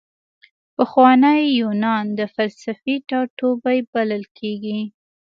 پخوانی یونان د فلسفې ټاټوبی بلل کیږي.